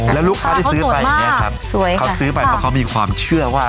แล้วลูกค้าที่ซื้อไปอย่างนี้ครับเขาซื้อไปเพราะเขามีความเชื่อว่า